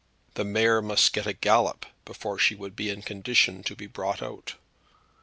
The mare must get a gallop before she would be in a condition to be brought out.